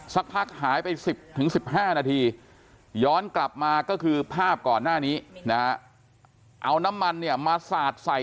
สักพักหายไป๑๐๑๕นาทีย้อนกลับมาก็คือภาพก่อนหน้านี้